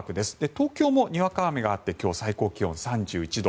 東京もにわか雨があって今日、最高気温３１度。